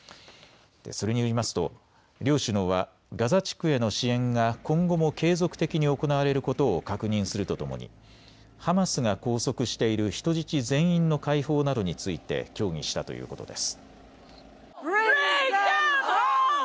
それによりますと両首脳はガザ地区への支援が今後も継続的に行われることを確認するとともにハマスが拘束している人質全員の解放などについて協議したということです。